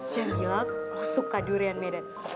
jangan bilang lo suka durian medan